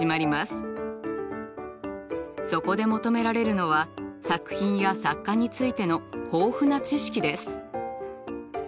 そこで求められるのは作品や作家についての豊富な知識です。